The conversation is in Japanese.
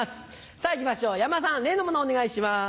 さぁいきましょう山田さん例のものお願いします。